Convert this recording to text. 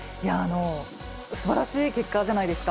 すばらしい結果じゃないですか。